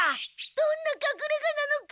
どんなかくれがなのか。